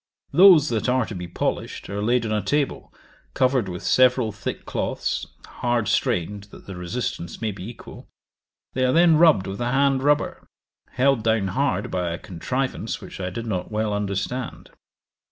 Those that are to be polished, are laid on a table, covered with several thick cloths, hard strained, that the resistance may be equal; they are then rubbed with a hand rubber, held down hard by a contrivance which I did not well understand.